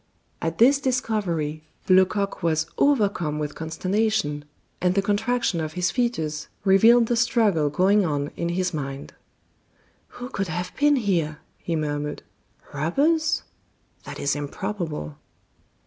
At this discovery Lecoq was overcome with consternation, and the contraction of his features revealed the struggle going on in his mind. "Who could have been here?" he murmured. "Robbers? That is improbable."